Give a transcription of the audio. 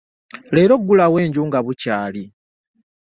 Leero gulawo enju nga bukyaali.